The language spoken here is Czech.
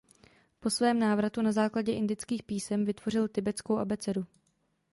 Po svém návratu na základě indických písem vytvořil tibetskou abecedu.